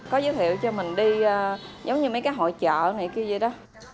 có giới thiệu cho mình đi giống như mấy cái hội chợ này kia vậy đó